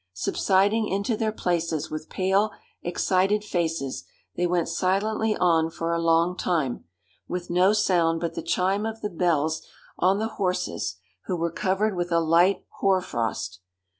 Subsiding into their places with pale, excited faces, they went silently on for a long time, with no sound but the chime of the bells on the horses who were covered with a light hoar frost.